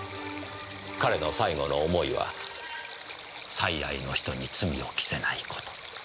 彼の最後の思いは最愛の人に罪を着せないこと。